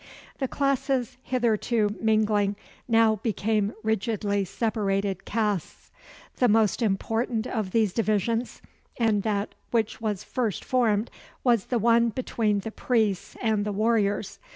The classes, hitherto mingling, now became rigidly separated castes. The most important of these divisions, and that which was first formed, was the one between the priests and the warriors.